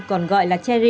còn gọi là cherry